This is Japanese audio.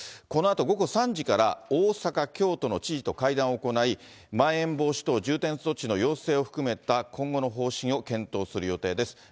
このあと午後３時から大阪、京都の知事と会談を行い、まん延防止等重点措置の要請を含めた今後の方針を検討する予定です。